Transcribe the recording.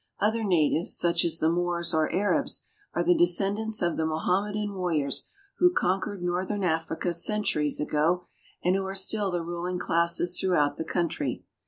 Other natives, such as the Moors or Arabs, are the descendants of the Mohammedan warriors who conquered northern Africa centuries ago, and who are still the ruling classes throughout the country.